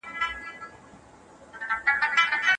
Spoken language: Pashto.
دی ځان وژنه سرته رسوي.